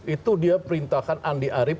itu dia perintahkan andi arief